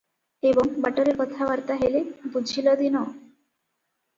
ଏବଂ ବାଟରେ କଥାବାର୍ତ୍ତା ହେଲେ- "ବୁଝିଲ ଦୀନ!